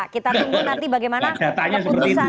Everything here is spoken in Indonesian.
kita tunggu nanti bagaimana keputusan